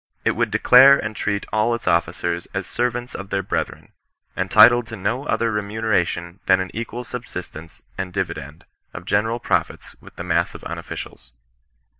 It would declare and treat all its officers as servants of their brethren, entitled to no other remune ration than an equal subsistence and dividend of general profits with the mass of unofficials.